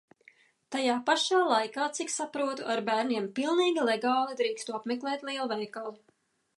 Tajā pašā laikā, cik saprotu, ar bērniem pilnīgi legāli drīkstu apmeklēt lielveikalu.